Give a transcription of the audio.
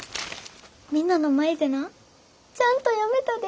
みんなの前でなちゃんと読めたで。